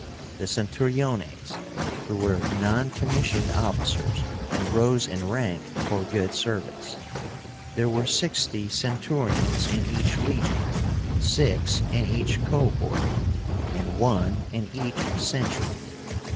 The CENTURIÓNES, who were non commissioned officers, and rose in rank for good service. There were sixty centurions in each legion, six in each cohort, and one in each century.